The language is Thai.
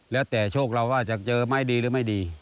แล้วแต่โชคเราว่าจะเจอไหมดีหรือไม่ดี